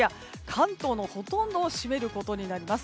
関東のほとんどを占めることになります。